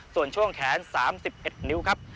ส่วนช่วงแขนสามสิบเอ็ดนิ้วครับ